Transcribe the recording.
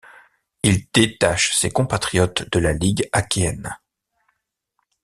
Il détache ses compatriotes de la ligue achéenne.